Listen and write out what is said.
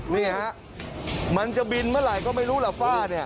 นี่ฮะมันจะบินเมื่อไหร่ก็ไม่รู้ล่ะฝ้าเนี่ย